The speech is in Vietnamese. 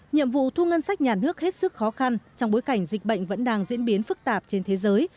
nhiệm vụ thu ngân sách nhà nước hết sức khó khăn trong bối cảnh dịch bệnh vẫn đang diễn biến phức tạp trên thế giới